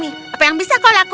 tidak ada yang bisa kau lakukan